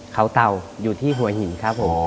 เขาเต่าอยู่ที่หัวหินครับผม